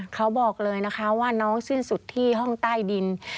เขาบอกเลยนะคะว่าน้องสิ้นสุดที่ห้องใต้ดิน